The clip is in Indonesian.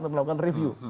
untuk melakukan review